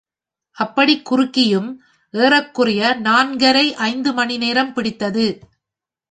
அப்படிக் குறுக்கியும், ஏறக்குறைய நான்கரை, ஐந்து மணி நேரம் பிடித்தது!